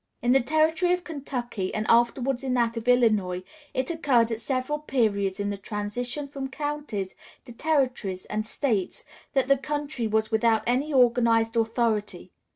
In the territory of Kentucky, and afterwards in that of Illinois, it occurred at several periods in the transition from counties to territories and states, that the country was without any organized authority.